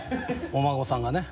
お孫さんがね